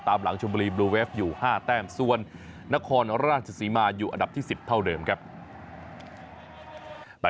ตามหลังชมบุรีบลูเวฟอยู่๕แต้มส่วนนครราชศรีมาอยู่อันดับที่๑๐เท่าเดิมครับ